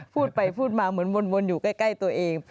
พูดไปพูดมาเหมือนวนอยู่ใกล้ตัวเอง